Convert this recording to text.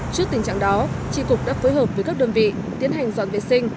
trước tình trạng đó tri cục đã phối hợp với các đơn vị tiến hành dọn vệ sinh